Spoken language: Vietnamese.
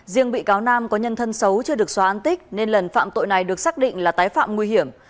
riêng bị cáo nam có nhân thân xấu chưa được xóa an tích nên lần phạm tội này được xác định là tái phạm nguy hiểm